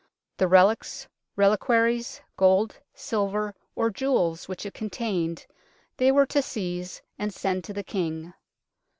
The relics, reliquaries, gold, silver, or jewels which it contained they were to seize and send to the King.